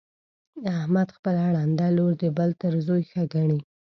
احمد خپله ړنده لور د بل تر زوی ښه ګڼي.